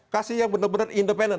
kasih yang benar benar independen